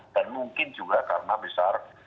dan mungkin juga karena besar